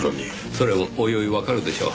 それもおいおいわかるでしょう。